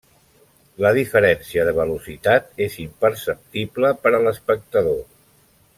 La diferència de velocitat és imperceptible per a l'espectador.